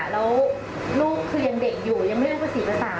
แล้วลูกคือยังเด็กอยู่ยังไม่เรียกภาษีภาษา